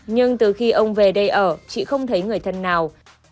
nhưng từ khi ông về đây ở chị không thấy người thân nào